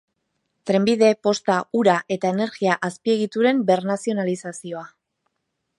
Trenbide, posta, ura eta energia azpiegituren bernazionalizazioa.